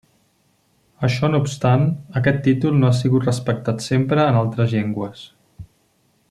Això no obstant, aquest títol no ha sigut respectat sempre en altres llengües.